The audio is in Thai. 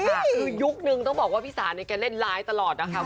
คือยุคนึงต้องบอกว่าพี่สาเนี่ยแกเล่นไลฟ์ตลอดนะคะ